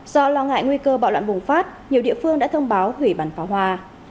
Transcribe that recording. do lo ngại nguy cơ bạo loạn bùng phát nhiều địa phương đã thông báo hủy bản pháo hoa